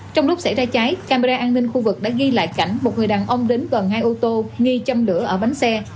trong lúc xảy ra cháy camera an ninh khu vực đã ghi lại cảnh một người đàn ông đến gần hai ô tô nghi châm lửa ở bánh xe